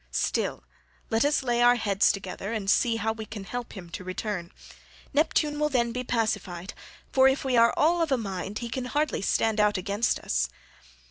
Still, let us lay our heads together and see how we can help him to return; Neptune will then be pacified, for if we are all of a mind he can hardly stand out against us."